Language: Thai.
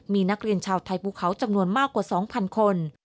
มีนักเรียนชาวไทยภูเขาจำนวนมากกว่า๒๐๐คน